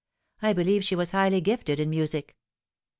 I believe she was highly gifted in music."